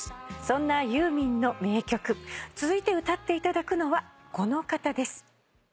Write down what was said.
そんなユーミンの名曲続いて歌っていただくのはこの方です。